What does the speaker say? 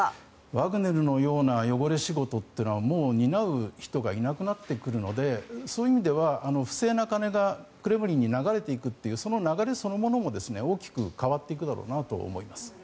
ワグネルのような汚れ仕事というのはもう担う人がいなくなってくるのでそういう意味では不正な金がクレムリンに流れていくというその流れそのものも大きく変わっていくだろうと思います。